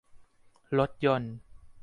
รถยนต์